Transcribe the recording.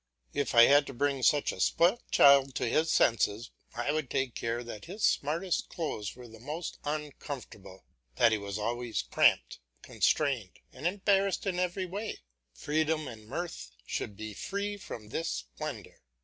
If I had to bring such a spoilt child to his senses, I would take care that his smartest clothes were the most uncomfortable, that he was always cramped, constrained, and embarrassed in every way; freedom and mirth should flee before his splendour.